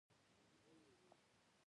ملا نصرالدین ورته وویل.